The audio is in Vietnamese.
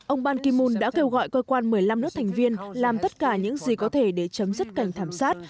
ông ban kimon đã kêu gọi cơ quan một mươi năm nước thành viên làm tất cả những gì có thể để chấm dứt cảnh thảm sát